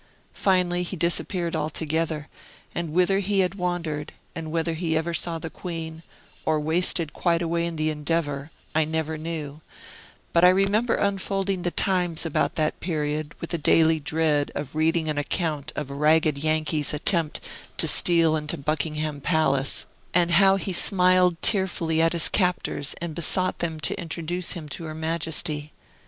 Finally, he disappeared altogether, and whither he had wandered, and whether he ever saw the Queen, or wasted quite away in the endeavor, I never knew; but I remember unfolding the "Times," about that period, with a daily dread of reading an account of a ragged Yankee's attempt to steal into Buckingham Palace, and how he smiled tearfully at his captors and besought them to introduce him to her Majesty.